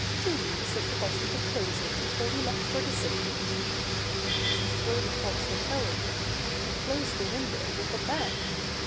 Julie must have forgotten to close it before we left for the city." She strode across the tower room, and closed the window with a bang.